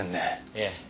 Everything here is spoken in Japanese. ええ。